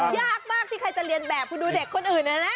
ยากมากที่ใครจะเรียนแบบคุณดูเด็กคนอื่นนะนะ